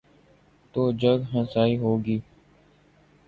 تو جگ ہنسائی ہو گی۔